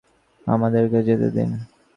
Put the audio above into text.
আমাদেরকে যেতে দিন।